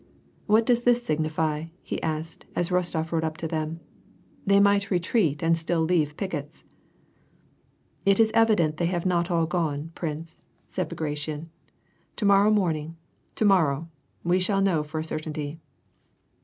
" What does this signify ?" he asked, as Rostof rode up to them. " They might retreat and still leave pickets." " It is evident they have not all gone, prince," said Bagr» * ZazhuzMia. (I'AH AND PEACE. 327 tion. " To morrow morning, to morrow, we shall know for a certainty."